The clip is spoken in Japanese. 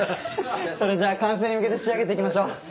それじゃ完成に向けて仕上げていきましょう。